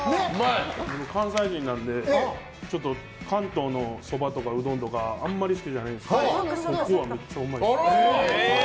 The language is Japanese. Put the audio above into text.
関西人なんで関東のそばとか、うどんとかあんまり好きじゃないんですけどこれはめっちゃうまいです。